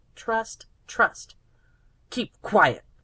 Trust! Trust!'" "Keep quiet!"